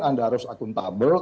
anda harus akuntabel